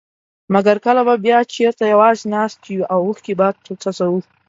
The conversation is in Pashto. مګر کله به بيا چېرته يوازي ناست يو او اوښکي به څڅوو.